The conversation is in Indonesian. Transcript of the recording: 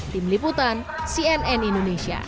tim liputan cnn indonesia